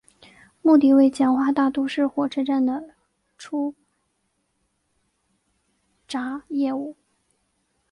目的为简化大都市火车站的出闸业务。